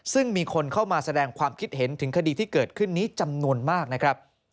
ซึ่งมีคนเข้ามาแสดงความคิดเห็นถึงคดีที่เกิดขึ้นนี้จำนวนมากนะครับ